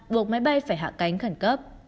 buộc máy bay phải hạ cánh khẩn cấp